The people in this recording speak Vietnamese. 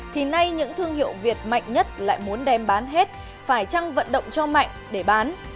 thì nay những thương hiệu việt mạnh nhất lại muốn đem bán hết phải chăng vận động cho mạnh để bán